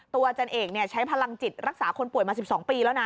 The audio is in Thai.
อาจารย์เอกใช้พลังจิตรักษาคนป่วยมา๑๒ปีแล้วนะ